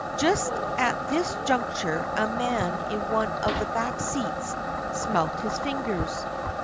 Just at this juncture a man in one of the back seats smelt his fingers.